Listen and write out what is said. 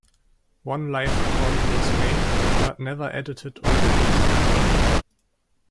One live recording was made but never edited or released.